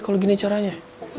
kalo gini caranya